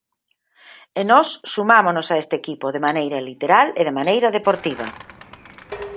E nós sumámonos a este equipo de maneira literal e de maneira deportiva.